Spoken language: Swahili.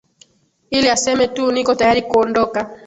ila aseme tu niko tayari kuondoka